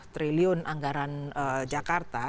tujuh puluh triliun anggaran jakarta